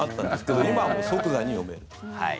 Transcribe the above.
でも今は即座に読める。